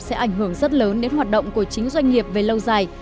sẽ ảnh hưởng rất lớn đến hoạt động của chính doanh nghiệp về lâu dài